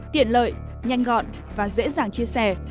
tiện lợi nhanh gọn và dễ dàng chia sẻ